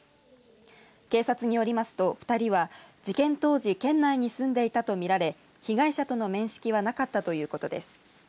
警察によりますと２人は事件当時県内に住んでいたと見られ被害者との面識はなかったということです。